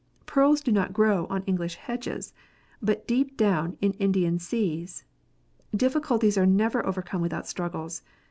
Pearls do not grow on English hedges, but deep down in Indian seas. Difficulties are never over come without struggles.